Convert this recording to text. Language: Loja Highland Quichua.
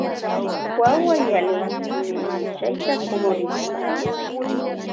Wawa yalin sunimachayta kumurishpa.